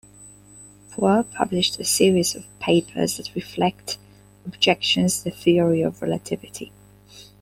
Poor published a series of papers that reflect objections the theory of relativity.